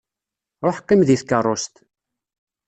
Ruḥ qqim deg tkeṛṛust.